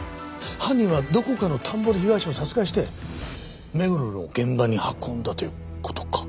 犯人はどこかの田んぼで被害者を殺害して目黒の現場に運んだという事か。